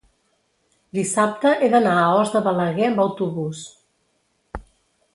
dissabte he d'anar a Os de Balaguer amb autobús.